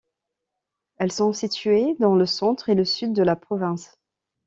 Elles sont situées dans le Centre et le Sud de la province.